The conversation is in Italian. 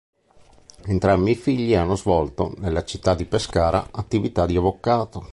Entrambi i figli hanno svolto, nella città di Pescara, attività di avvocato.